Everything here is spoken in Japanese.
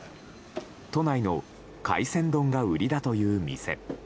都内の海鮮丼が売りだという店。